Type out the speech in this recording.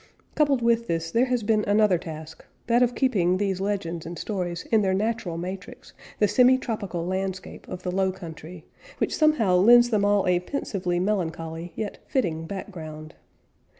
Coupled with this there has been another task; that of keeping these legends and stories in their natural matrix, the semi tropical landscape of the Low Country, which somehow lends them all a pensively melancholy yet fitting background.